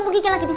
parah parah kiki